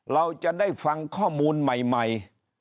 เราจะได้ฟังข้อมูลใหม่